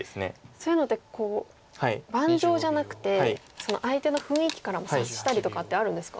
そういうのって盤上じゃなくて相手の雰囲気からも察したりとかってあるんですか？